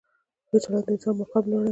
ښه چلند د انسان مقام لوړوي.